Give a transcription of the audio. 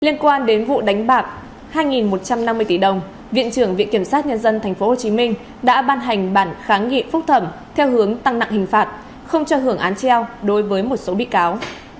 liên quan đến vụ đánh bạc hai một trăm năm mươi tỷ đồng viện trưởng viện kiểm sát nhân dân tp hcm đã ban hành bản kháng nghị phúc thẩm theo hướng tăng nặng hình phạt không cho hưởng án treo đối với một số bị cáo